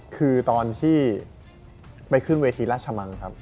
คือตอนที่ไปขึ้นเวทีราชมังครับ